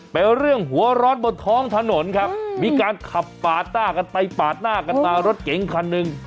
เป็นเรื่องหัวร้อนบนท้องถนนครับมีการขับปาดหน้ากันไปปาดหน้ากันมารถเก๋งคันหนึ่ง